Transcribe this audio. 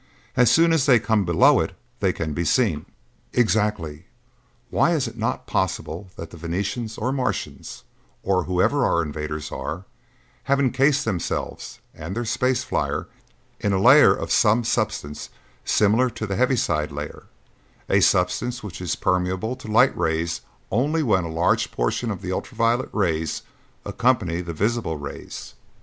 As soon as they come below it they can be seen." "Exactly. Why is it not possible that the Venetians, or Martians, or whoever our invaders are, have encased themselves and their space flyer in a layer of some substance similar to the heaviside layer, a substance which is permeable to light rays only when a large proportion of ultra violet rays accompany the visible rays?